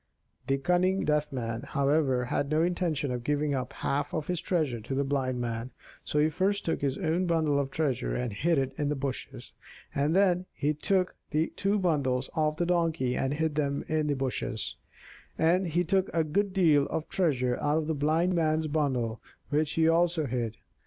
The cunning Deaf Man, however, had no intention of giving up half of the treasure to the Blind Man; so he first took his own bundle of treasure and hid it in the bushes, and then he took the two bundles off the Donkey and hid them in the bushes; and he took a good deal of treasure out of the Blind Man's bundle, which he also hid.